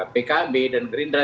pkb dan gerindra